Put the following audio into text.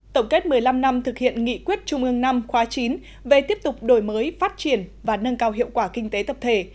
tổng kết một mươi năm năm thực hiện nghị quyết trung ương năm khóa chín về tiếp tục đổi mới phát triển và nâng cao hiệu quả kinh tế tập thể